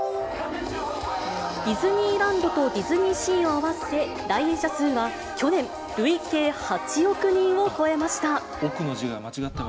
ディズニーランドとディズニーシーを合わせ、来園者数は去年、累計８億人を超えました。